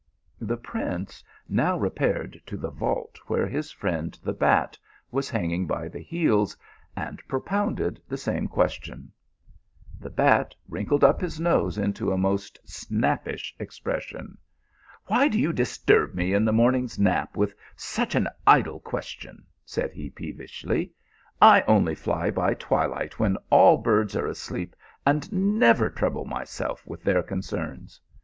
The prince now repaired to the vault where his friend the bat was hanging by the heels, and pio pounded the same question. The bat wrinkled up his nose into a most snappish expression. " Why do you disturb me in my morning s nap with such an idie question," said he peevishly. " I only fly by twilight when all birds are asleep, and never trouble myself with their concerns.